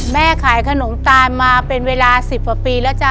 แม่ขายขนมตาลมาเป็นเวลา๑๐กว่าปีแล้วจ้ะ